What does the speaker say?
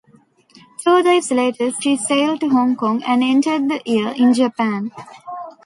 Two days later she sailed to Hong Kong and ended the year in Japan.